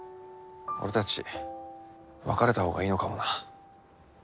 俺たち別れたほうがいいのかもな。